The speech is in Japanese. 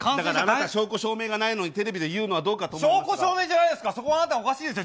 だから、証拠証明がないのにテレビで言うのはどうかと思いますよ。